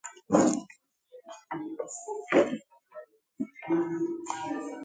ma sịkwa na ọ na-abụ onye sọnyụọ ọkụ ya